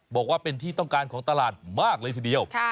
บอกว่าเป็นที่ต้องการของตลาดมากเลยทีเดียว